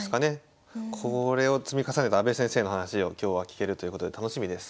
これを積み重ねた阿部先生の話を今日は聞けるということで楽しみです。